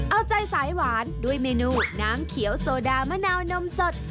เอาใจสายหวานด้วยเมนูน้ำเขียวโซดามะนาวนมสด